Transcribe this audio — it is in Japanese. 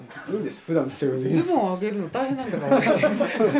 ズボン上げるの大変なんだから私。